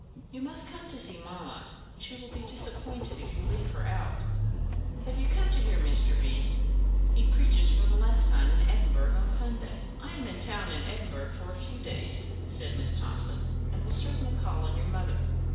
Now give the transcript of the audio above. You must come to see mamma; she will be so disappointed if you leave her out. Have you come to hear Dr. B ? He preaches for the last time in Edinburgh on Sunday." "I am to be in Edinburgh for a few days," said Miss Thomson, "and will certainly call on your mother."